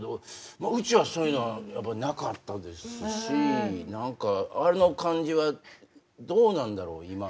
うちはそういうのはやっぱりなかったですし何かあの感じはどうなんだろう今。